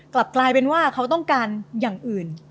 กลับกลายเป็นว่าเขาต้องการอย่างอื่น